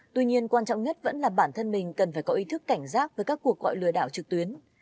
tuy nhiên quan trọng nhất vẫn là bản thân mình cần phải có ý thức cảnh giác với các cuộc gọi lừa đảo trực tuyến